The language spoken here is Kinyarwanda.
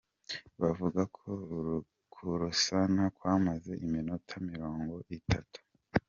Bavuga ko ukurasana kwamaze iminota mirongo itatu.